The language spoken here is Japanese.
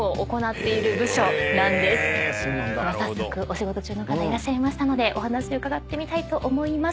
早速お仕事中の方いましたのでお話伺ってみたいと思います。